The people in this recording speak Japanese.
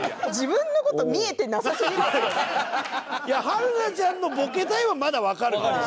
いや春菜ちゃんのボケたいはまだわかるの。